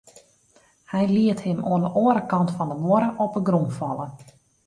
Hy liet him oan 'e oare kant fan de muorre op 'e grûn falle.